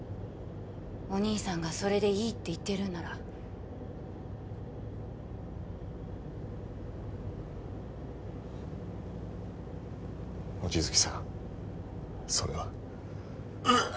お兄さんがそれでいいって言ってるんなら望月さんそれは